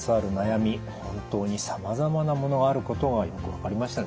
本当にさまざまなものがあることがよく分かりましたね。